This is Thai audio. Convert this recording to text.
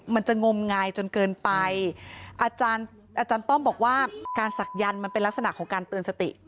งมงายจนเกินไปอาจารย์ต้อมบอกว่าการศักยันต์มันเป็นลักษณะของการเตือนสติ